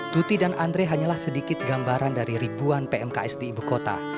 tuti dan andre hanyalah sedikit gambaran dari ribuan pmks di ibu kota